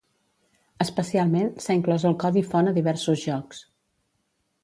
Especialment, s'ha inclòs el codi font a diversos jocs.